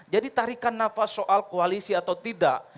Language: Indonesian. jadi tarikan nafas soal koalisi atau tidak